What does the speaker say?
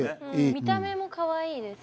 見た目もかわいいです。